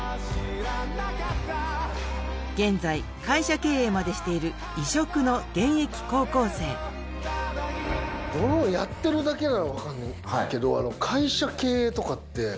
現在会社経営までしている異色の現役高校生ドローンやってるだけなら分かんねんけど会社経営とかって。